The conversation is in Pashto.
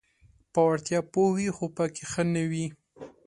په وړتیا پوه وي خو پکې ښه نه وي: